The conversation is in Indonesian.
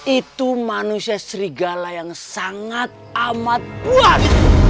itu manusia serigala yang sangat amat puas